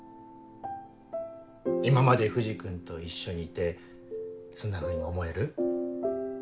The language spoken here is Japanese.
今まで藤君と一緒にいてそんなふうに思える？